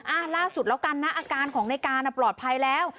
อ่าล่าสุดแล้วกันนะอาการของในการปลอดภัยแล้ว